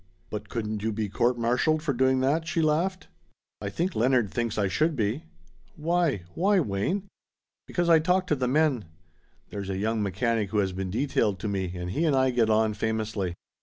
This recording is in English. "But couldn't you be court martialed for doing that?" she laughed. "I think Leonard thinks I should be." "Why why, Wayne?" "Because I talk to the men. There's a young mechanic who has been detailed to me, and he and I get on famously.